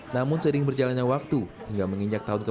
namun sering berjalannya waktu hingga menginjak tahun ke